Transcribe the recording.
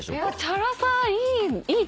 チャラさいい。